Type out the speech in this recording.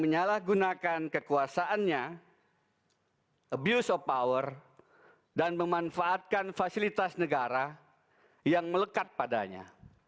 menyalahgunakan kekuasaannya abuse of power dan memanfaatkan fasilitas negara yang melekat padanya